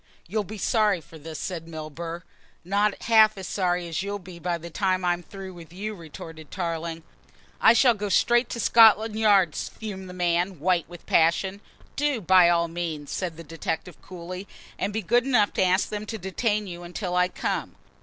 "You'll be sorry for this," said Milburgh. "Not half as sorry as you'll be by the time I'm through with you," retorted Tarling. "I shall go straight to Scotland Yard," fumed the man, white with passion. "Do, by all means," said the detective coolly, "and be good enough to ask them to detain you until I come."